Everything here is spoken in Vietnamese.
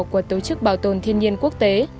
của tổ chức bảo tồn thiên nhiên quốc tế